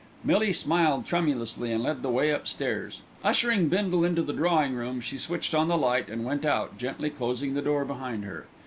Millie smiled tremulously and led the way upstairs. Ushering Bindle into the drawing room, she switched on the light and went out, gently closing the door behind her.